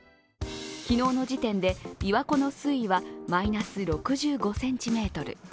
昨日の時点で、琵琶湖の水位はマイナス６５ｃｍ。